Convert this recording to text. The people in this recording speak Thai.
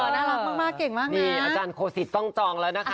น่ารักมากเก่งมากนี่อาจารย์โคสิตต้องจองแล้วนะคะ